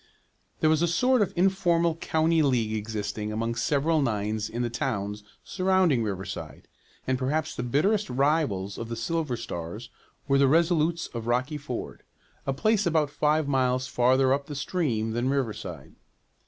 There was a sort of informal county league existing among several nines in the towns surrounding Riverside, and perhaps the bitterest rivals of the Silver Stars were the Resolutes of Rocky Ford, a place about five miles farther up the stream than Riverside.